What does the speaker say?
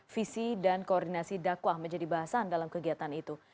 visi dan koordinasi dakwah menjadi bahasan dalam kegiatan itu